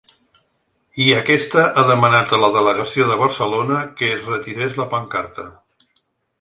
I aquesta ha demanat a la delegació de Barcelona que es retirés la pancarta.